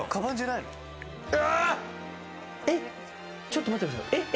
えっえっちょっと待ってください。